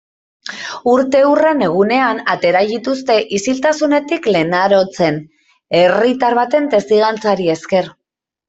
Urteurren egunean atera dituzte isiltasunetik Lenarotzen, herritar baten testigantzari esker.